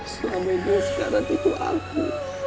selama ini sekarang itu aku